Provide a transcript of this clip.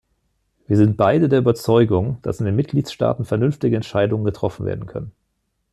Wir sind beide der Überzeugung, dass in den Mitgliedstaaten vernünftige Entscheidungen getroffen werden können.